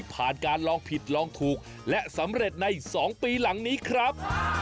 การลองผิดลองถูกและสำเร็จใน๒ปีหลังนี้ครับ